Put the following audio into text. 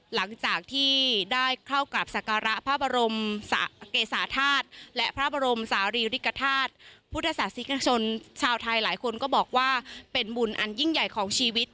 หลังจากที่ได้เข้ากราบสการะพระบรมเกษาธาตุและพระบรมศาลีริกฐาตุพุทธศาสนิกชนชาวไทยหลายคนก็บอกว่าเป็นบุญอันยิ่งใหญ่ของชีวิต